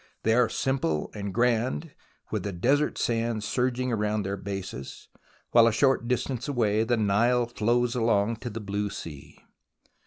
They are simple and grand, with the desert sands surging round their bases, while a short distance away the Nile flows along to the blue sea.